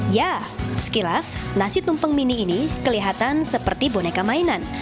ya sekilas nasi tumpeng mini ini kelihatan seperti boneka mainan